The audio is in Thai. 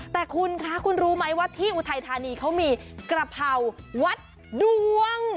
แต่คุณคะคุณรู้ไหมว่าที่อุทัยธานีเขามีกระเพราวัดดวง